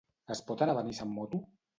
Es pot anar a Benissa amb moto?